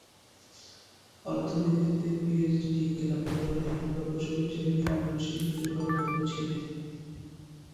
অর্থনীতিতে PhD degree লাভ করেন এবং প্রকৌশলী হিসেবে নির্মাণ শিল্পে কর্মরত ছিলেন।